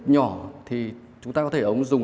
nhỏ thì chúng ta có thể dùng